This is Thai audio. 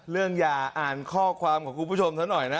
อย่าอ่านข้อความของคุณผู้ชมซะหน่อยนะ